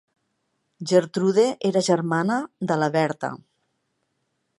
Gertrude era germana de la Bertha.